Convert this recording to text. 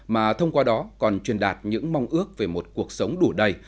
mà thông qua đó còn truyền đạt những mong ước về một cuộc sống đủ đầy